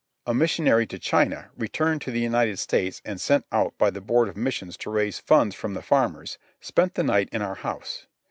A missionary to China, returned to the United States and sent out by the Board of Missions to raise funds from the farmers, spent the night in our house.